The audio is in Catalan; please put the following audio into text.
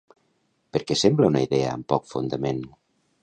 Per què sembla una idea amb poc fondament?